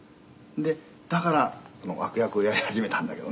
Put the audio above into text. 「だから悪役をやり始めたんだけどね」